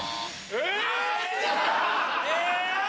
え！